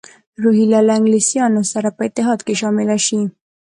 روهیله له انګلیسیانو سره په اتحاد کې شامل شي.